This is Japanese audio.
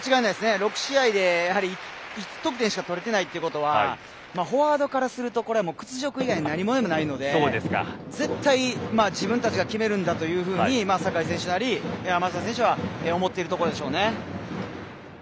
６試合で１得点しか取れてないということはフォワードからすると屈辱以外何者でもないので絶対、自分たちが決めるんだというふうに酒井選手なり選手は思っているところでしょうね。